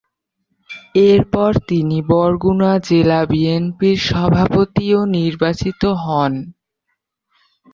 এরপর তিনি বরগুনা জেলা বিএনপির সভাপতিও নির্বাচিত হন।